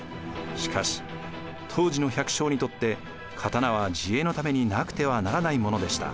しかし当時の百姓にとって刀は自衛のためになくてはならないものでした。